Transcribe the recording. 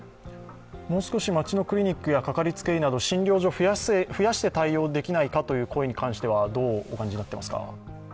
もう少し町のクリニックやかかりつけ医など、診療上を増やして対応できないかという点にはどうお感じになっていますか。